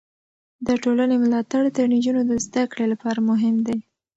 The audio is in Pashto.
د ټولنې ملاتړ د نجونو د زده کړې لپاره مهم دی.